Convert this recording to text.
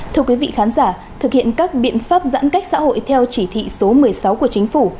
thưa quý vị khán giả thực hiện các biện pháp giãn cách xã hội theo chỉ thị số một mươi sáu của chính phủ